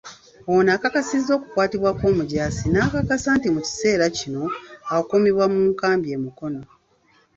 Ono akakasizza okukwatibwa kw'omujaasi n'akakasa nti mu kiseera kino, akuumibwa mu nkambi e Mukono.